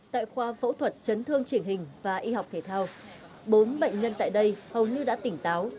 tại khoa phẫu thuật chấn thương chỉnh hình và y học thể thao bốn bệnh nhân tại đây hầu như đã tỉnh táo